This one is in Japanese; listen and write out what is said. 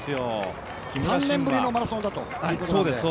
３年ぶりのマラソンだということです。